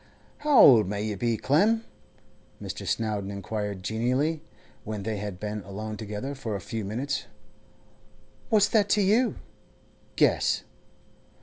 'How old may you be, Clem?' Mr. Snowdon inquired genially, when they had been alone together for a few minutes. 'What's that to you? Guess.